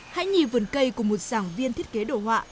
hãy nhìn vườn cây của một giảng viên thiết kế đồ họa